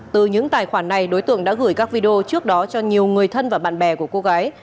từ những tài khoản này đối tượng đã gửi các video trước đó cho nhiều người thân và bạn bè của cô gái